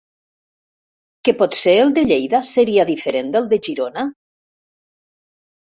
Que potser el de Lleida seria diferent del de Girona?